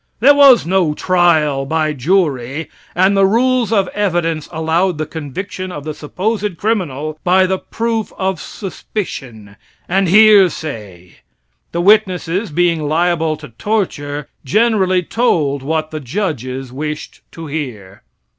There was no trial by jury, and the rules of evidence allowed the conviction of the supposed criminal by the proof of suspicion or hearsay. The witnesses, being liable to torture, generally told what the judges wished to hear.